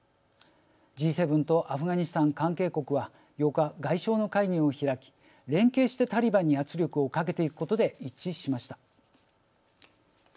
Ｇ７とアフガニスタン関係国は８日、外相の会議を開き連携してタリバンに圧力をかけていくことで一致しました。